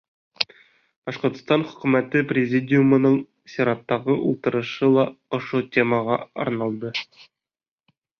Башҡортостан Хөкүмәте Президиумының сираттағы ултырышы ла ошо темаға арналды.